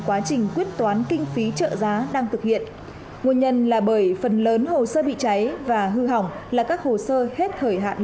quá trình quyết toán kinh phí trợ giá